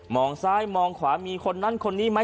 งซ้ายมองขวามีคนนั้นคนนี้ไหม